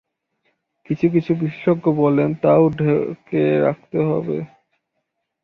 কিছু কিছু বিশেষজ্ঞ বলেন, তাও ঢেকে রাখতে হবে।